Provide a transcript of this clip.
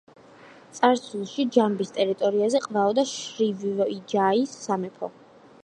წარსულში, ჯამბის ტერიტორიაზე ყვაოდა შრივიჯაიის სამეფო.